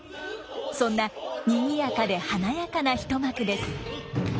そんなにぎやかで華やかな一幕です。